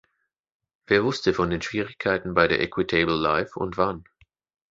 Wer wusste von den Schwierigkeiten bei der "Equitable Life" und wann?